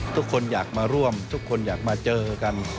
ทุกคนอยากมาร่วมทุกคนอยากมาเจอกัน